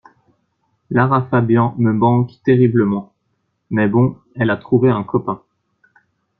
Lara Fabian me manque terriblement, mais bon elle a trouvé un copain.